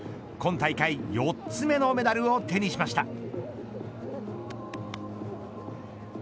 今大会４つ目のメダルを手にしました。